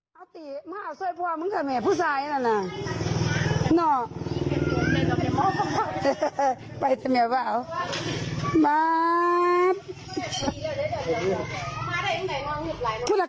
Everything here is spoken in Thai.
ใช่ใช่หน่อยหน่อยนี่ชมพู่น่ะ